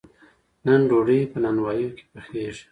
نن ډوډۍ په نانواییو کې پخیږي.